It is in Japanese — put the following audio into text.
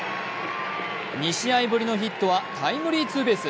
２試合ぶりのヒットはタイムリーツーベス。